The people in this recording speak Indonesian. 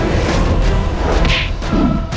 mereka seperti apa